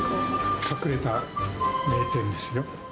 隠れた名店ですよ。